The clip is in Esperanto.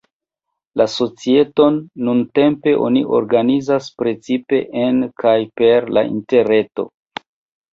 La societon nuntempe oni organizas precipe en kaj per la interreto.